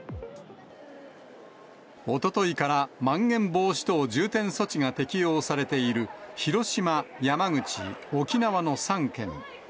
おとといからまん延防止等重点措置が適用されている広島、山口、沖縄の３県。